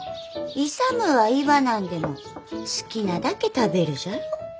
勇は言わなんでも好きなだけ食べるじゃろ。